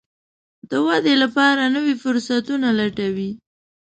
د ودې لپاره نوي فرصتونه لټوي.